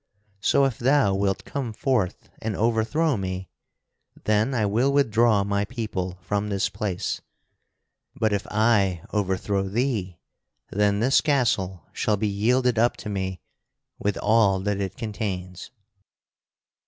So if thou wilt come forth and overthrow me, then I will withdraw my people from this place; but if I overthrow thee, then this castle shall be yielded up to me with all that it contains."